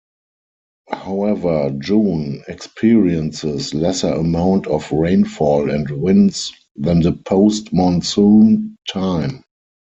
However, June experiences lesser amount of rainfall and winds than the post-monsoon time.